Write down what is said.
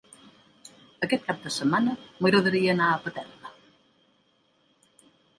Aquest cap de setmana m'agradaria anar a Paterna.